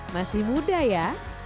masih muda ya